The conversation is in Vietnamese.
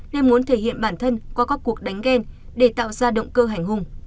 nên muốn thể hiện bản thân qua các cuộc đánh ghen để tạo ra động cơ hành hùng